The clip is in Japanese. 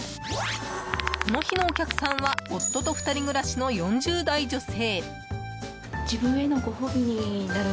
この日のお客さんは夫と２人暮らしの４０代女性。